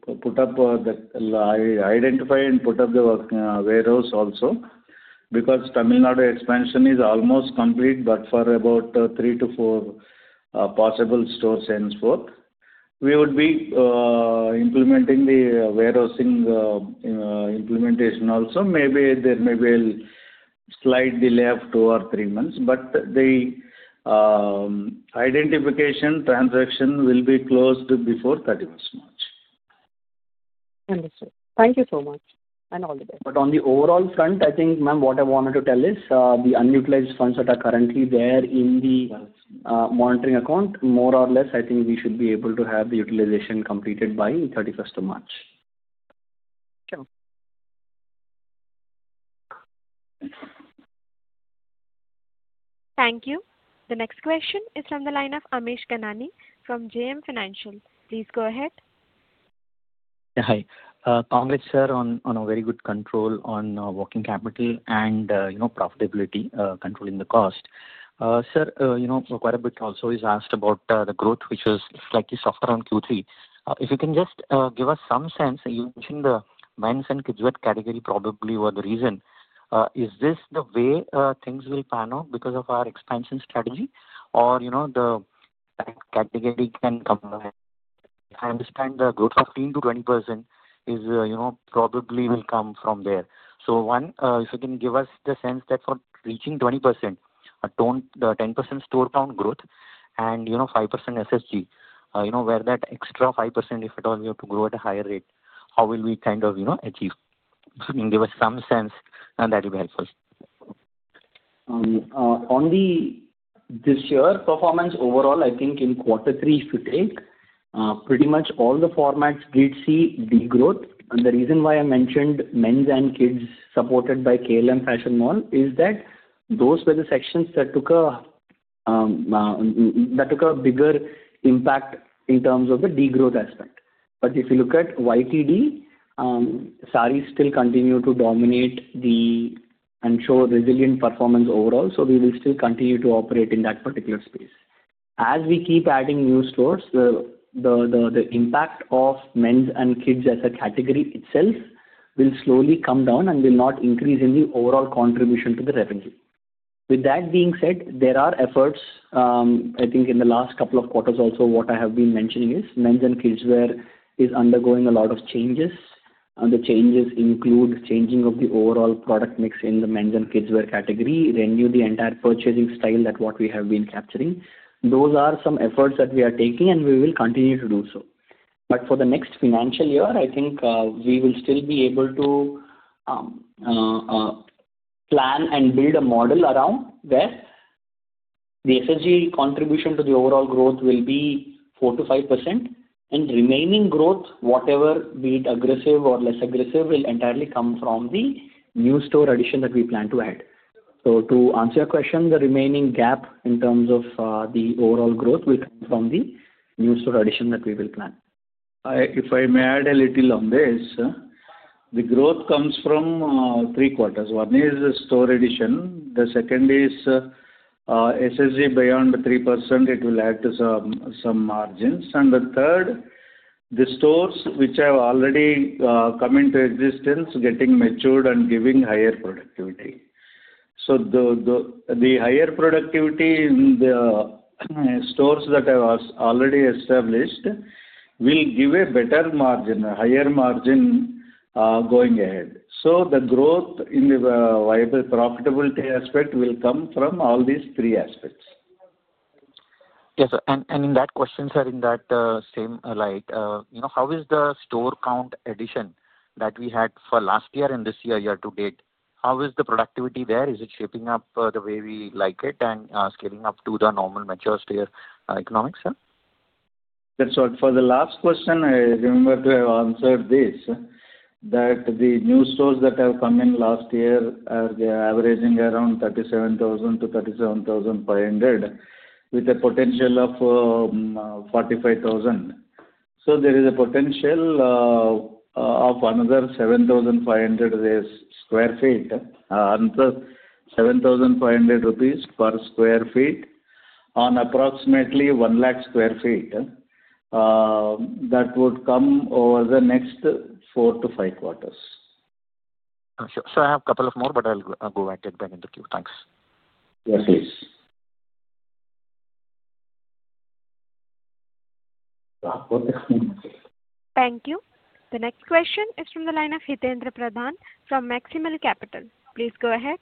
identify and put up the warehouse also because Tamil Nadu expansion is almost complete, but for about three to four possible stores and so forth. We would be implementing the warehousing implementation also. Maybe there may be a slight delay of two or three months, but the identification transaction will be closed before 31st March. Understood. Thank you so much. And all the best. But on the overall front, I think, ma'am, what I wanted to tell is the unutilized funds that are currently there in the monitoring account, more or less, I think we should be able to have the utilization completed by 31st of March. Sure. Thank you. The next question is from the line of Amish Kanani from JM Financial. Please go ahead. Yeah. Hi. Congrats, sir, on a very good control on working capital and profitability, controlling the cost. Sir, quite a bit also is asked about the growth, which was slightly softer on Q3. If you can just give us some sense, you mentioned the men's and kids' wear category probably were the reason. Is this the way things will pan out because of our expansion strategy or the category can come? I understand the growth of 10%-20% probably will come from there. So one, if you can give us the sense that for reaching 20%, 10% store count growth and 5% SSG, where that extra 5%, if at all, we have to grow at a higher rate, how will we kind of achieve? If you can give us some sense, that would be helpful. Only this year, performance overall, I think in quarter three, if you take, pretty much all the formats did see degrowth. And the reason why I mentioned men's and kids' supported by KLM Fashion Mall is that those were the sections that took a bigger impact in terms of the degrowth aspect. But if you look at YTD, saris still continue to dominate and show resilient performance overall. So we will still continue to operate in that particular space. As we keep adding new stores, the impact of men's and kids' as a category itself will slowly come down and will not increase in the overall contribution to the revenue. With that being said, there are efforts, I think in the last couple of quarters also, what I have been mentioning is men's and kids' wear is undergoing a lot of changes. The changes include changing of the overall product mix in the men's and kids' wear category, renew the entire purchasing style that what we have been capturing. Those are some efforts that we are taking, and we will continue to do so. But for the next financial year, I think we will still be able to plan and build a model around where the SSG contribution to the overall growth will be 4%-5%, and remaining growth, whatever be it aggressive or less aggressive, will entirely come from the new store addition that we plan to add. So to answer your question, the remaining gap in terms of the overall growth will come from the new store addition that we will plan. If I may add a little on this, the growth comes from three quarters. One is store addition. The second is SSG beyond 3%. It will add to some margins. And the third, the stores which have already come into existence, getting matured and giving higher productivity. So the higher productivity in the stores that have already established will give a better margin, a higher margin going ahead. So the growth in the profitability aspect will come from all these three aspects. Yes. And in that question, sir, in that same light, how is the store count addition that we had for last year and this year year to date? How is the productivity there? Is it shaping up the way we like it and scaling up to the normal mature economics, sir? That's all. For the last question, I remember to have answered this, that the new stores that have come in last year, they are averaging around 37,000-37,500 with a potential of 45,000. So there is a potential of another 7,500 sq ft, another INR 7,500 per sq ft on approximately 100,000 sq ft that would come over the next four to five quarters. Sure, so I have a couple of more, but I'll go ahead and take back interview. Thanks. Thank you. The next question is from the line of Hitaindra Pradhan from Maximal Capital. Please go ahead.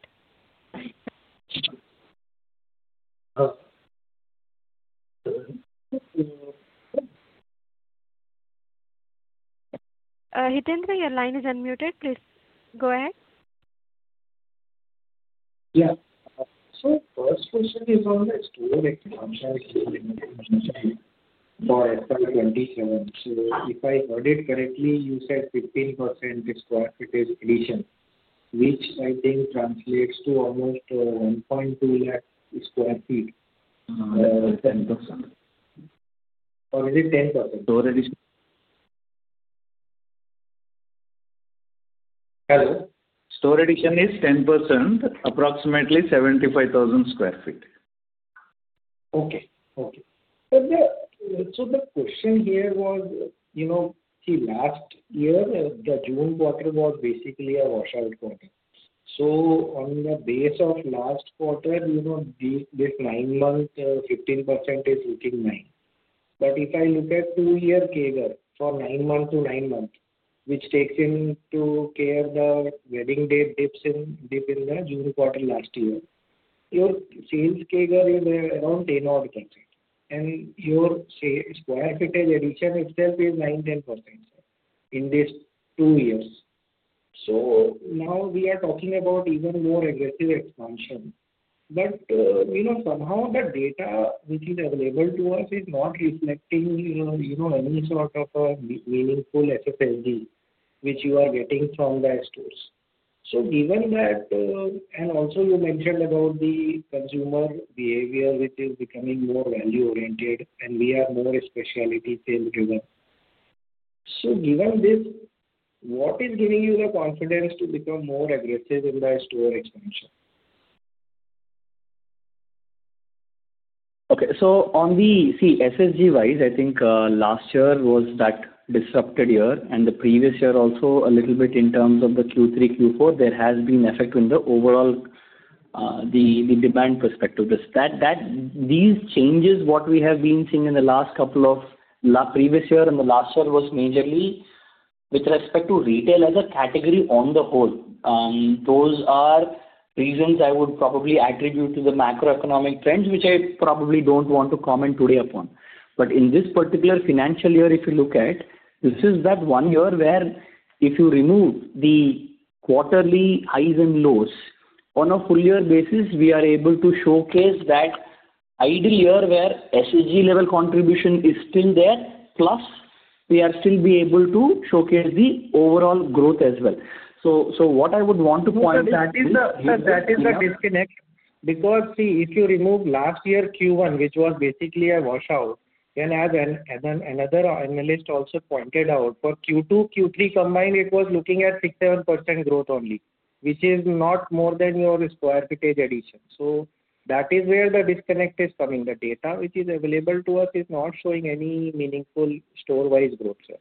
Hitaindra, your line is unmuted. Please go ahead. Yeah. So first question is on the store expansion for FY 2027. So if I heard it correctly, you said 15% square footage addition, which I think translates to almost 1.2 lakh sq ft. Or is it 10%? Hello? Store addition is 10%, approximately 75,000 sq ft. Okay. Okay. So the question here was, last year, the June quarter was basically a washout quarter. So on the base of last quarter, this nine month, 15% is looking nine. But if I look at two-year CAGR for nine month to nine month, which takes into account the wedding day dips in the June quarter last year, your sales CAGR is around 10-odd%. And your square footage addition itself is 9-10% in these two years. So now we are talking about even more aggressive expansion. But somehow the data which is available to us is not reflecting any sort of meaningful SSG, which you are getting from the stores. So given that, and also you mentioned about the consumer behavior, which is becoming more value-oriented, and we are more specialty sales driven. So given this, what is giving you the confidence to become more aggressive in the store expansion? Okay. So on the SSG-wise, I think last year was that disrupted year, and the previous year also a little bit in terms of the Q3, Q4. There has been effect in the overall demand perspective. These changes, what we have been seeing in the last couple of previous year and the last year, was majorly with respect to retail as a category on the whole. Those are reasons I would probably attribute to the macroeconomic trends, which I probably don't want to comment today upon. But in this particular financial year, if you look at, this is that one year where if you remove the quarterly highs and lows, on a full year basis, we are able to showcase that ideal year where SSG level contribution is still there, plus we are still be able to showcase the overall growth as well. So what I would want to point out. That is the disconnect because if you remove last year Q1, which was basically a washout, and as another analyst also pointed out, for Q2, Q3 combined, it was looking at 6%-7% growth only, which is not more than your square footage addition. So that is where the disconnect is coming. The data which is available to us is not showing any meaningful store-wise growth, sir.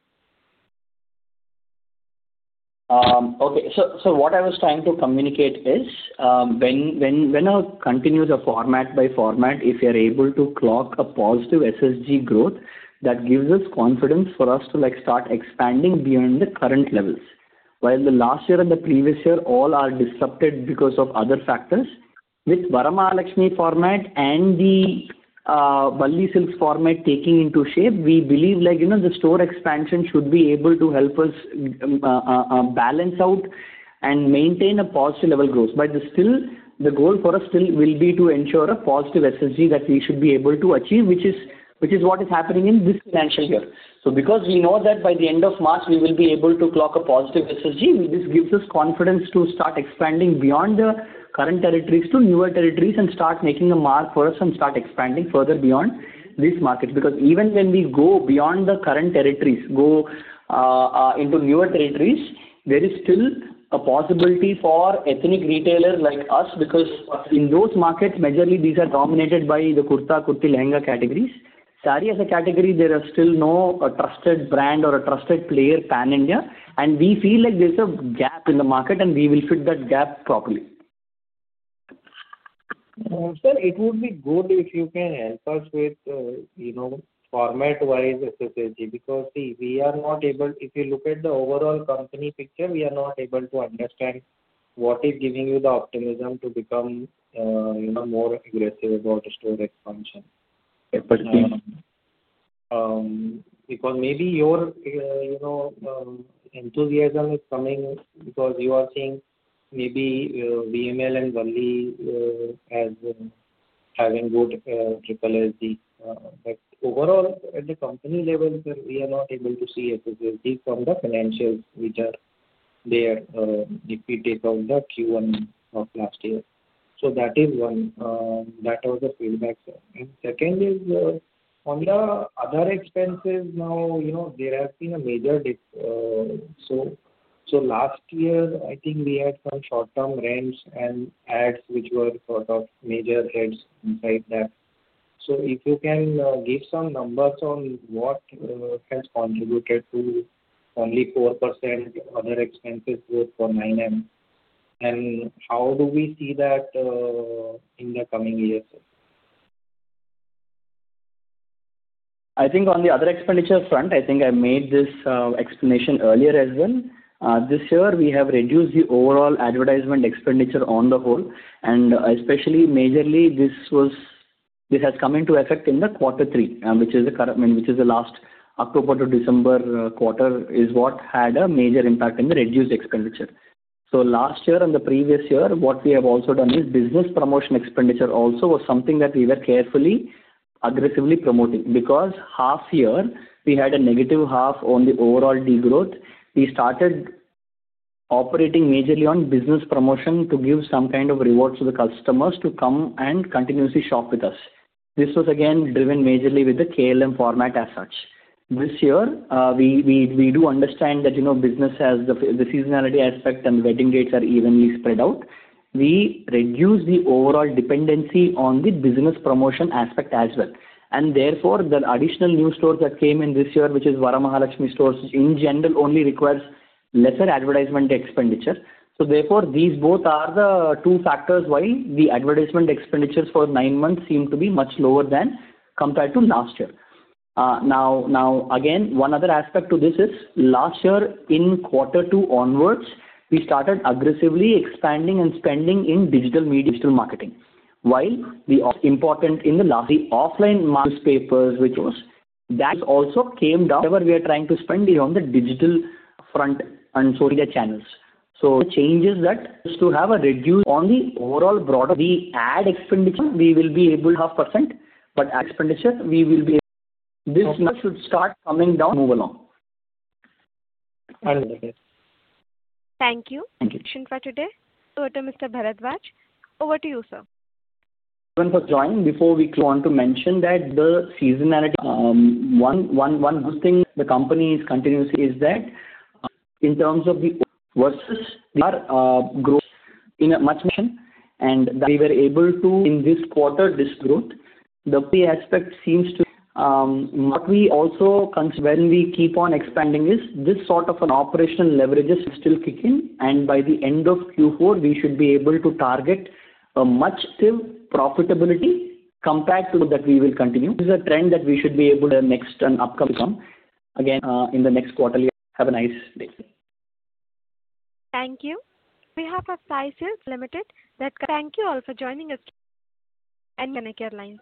Okay. So what I was trying to communicate is when I continue the format by format, if you're able to clock a positive SSG growth, that gives us confidence for us to start expanding beyond the current levels. While the last year and the previous year all are disrupted because of other factors, with Varamahalakshmi format and the Valli Silks format taking into shape, we believe the store expansion should be able to help us balance out and maintain a positive level growth. But still, the goal for us still will be to ensure a positive SSG that we should be able to achieve, which is what is happening in this financial year. So because we know that by the end of March, we will be able to clock a positive SSG, this gives us confidence to start expanding beyond the current territories to newer territories and start making a mark for us and start expanding further beyond these markets. Because even when we go beyond the current territories, go into newer territories, there is still a possibility for ethnic retailers like us because in those markets, majorly, these are dominated by the Kurta Kurti Lehenga categories. Sari as a category, there are still no trusted brand or a trusted player pan-India. And we feel like there's a gap in the market, and we will fit that gap properly. Sir, it would be good if you can help us with format-wise SSG because we are not able, if you look at the overall company picture, to understand what is giving you the optimism to become more aggressive about store expansion. Because maybe your enthusiasm is coming because you are seeing maybe VML and Valli as having good [triple SG]. But overall, at the company level, we are not able to see SSG from the financials which are there if we take out the Q1 of last year. That is one. That was the feedback, sir. Second is on the other expenses. Now there has been a major dip. Last year, I think we had some short-term rents and ads which were sort of major heads inside that. If you can give some numbers on what has contributed to only 4% other expenses growth for 9M, and how do we see that in the coming years, sir? I think on the other expenditure front, I think I made this explanation earlier as well. This year, we have reduced the overall advertisement expenditure on the whole, and especially majorly, this has come into effect in the quarter three, which is the last October to December quarter, and that had a major impact in the reduced expenditure. Last year and the previous year, what we have also done is business promotion expenditure also was something that we were carefully, aggressively promoting. Because half year, we had a negative half on the overall degrowth, we started operating majorly on business promotion to give some kind of rewards to the customers to come and continuously shop with us. This was again driven majorly with the KLM format as such. This year, we do understand that business has the seasonality aspect and the wedding dates are evenly spread out. We reduce the overall dependency on the business promotion aspect as well, and therefore, the additional new stores that came in this year, which is Varamahalakshmi stores, in general, only requires lesser advertisement expenditure, so therefore, these both are the two factors why the advertisement expenditures for nine months seem to be much lower than compared to last year. Now, again, one other aspect to this is last year, in quarter two onwards, we started aggressively expanding and spending in digital media digital marketing. While the important in the last the offline newspapers, which was that also came down, whatever we are trying to spend is on the digital front and social media channels. So the changes that used to have a reduction in the overall, broader ad expenditure, we will be able to have percent, but this number should start coming down, move along. Thank you. Thank you. Question for today. So to Mr. Bharadwaj, over to you, sir. Thank you for joining. Before we close, I want to mention that the seasonality, one good thing the company is continuously is that in terms of the versus the growth in a much manner, and that we were able to in this quarter this growth. The company aspect seems to what we also consider when we keep on expanding is this sort of an operational leverage still kick in, and by the end of Q4, we should be able to target a much profitability compared to that we will continue. This is a trend that we should be able to next and upcoming to come. Again, in the next quarter, you have a nice day. Thank you. This is Sai Silks (Kalamandir) Limited. Thank you all for joining us on the conference line.